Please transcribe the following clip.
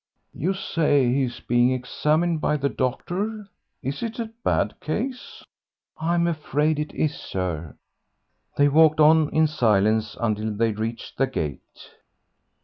"You say he's being examined by the doctor. Is it a bad case?" "I'm afraid it is, sir." They walked on in silence until they reached the gate.